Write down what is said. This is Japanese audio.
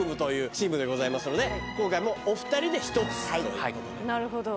チームでございますので今回もお二人で１つという事で。